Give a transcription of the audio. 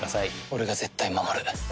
俺が絶対守る。